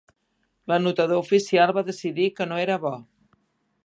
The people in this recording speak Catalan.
L'anotador oficial va decidir que no era bo.